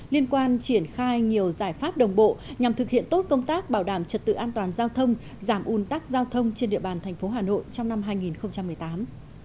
liên quan triển khai nhiều giải pháp đồng bộ nhằm thực hiện tốt công tác bảo đảm trật tự an toàn giao thông giảm un tắc giao thông trên địa bàn thành phố hà nội trong năm hai nghìn một mươi tám